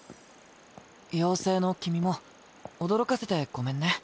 妖精の君も驚かせてごめんね。